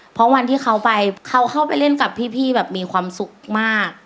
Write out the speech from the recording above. เพราะวันที่เขาไปเขาเข้าไปเล่นกับพี่แบบมีความสุขมาก